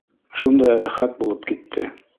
Шундай рәхәт булып китте!